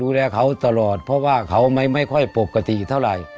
ดูแลเขาตลอดเพราะว่าเขาไม่ค่อยปกติเท่าไหร่